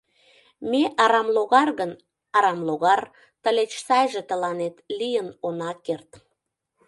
Ме арамлогар гын, арамлогар, тылеч сайже тыланет лийын она керт.